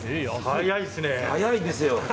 早いんですよ。